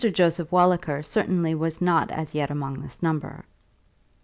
Joseph Walliker certainly was not as yet among this number.